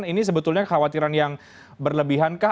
ini sebetulnya khawatiran yang berlebihan kah